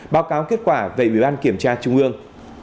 báo cáo kết quả về ủy ban kiểm tra trung ương